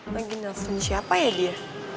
bagi nelfon siapa ya dia